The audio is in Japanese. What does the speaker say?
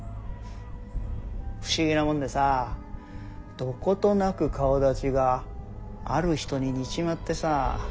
不思議なもんでさどことなく顔だちがある人に似ちまってさ。